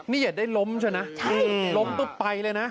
นี่อย่าได้ล้มใช่ไหมล้มปุ๊บไปเลยนะ